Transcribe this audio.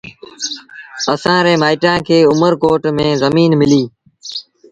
اَسآݩ ري مآئيٚٽآن کي اُمرڪوٽ ميݩ زڃين مليٚ۔